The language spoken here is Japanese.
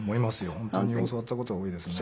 本当に教わった事は多いですね。